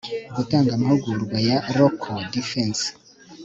gutanga amahugurwa ya local defence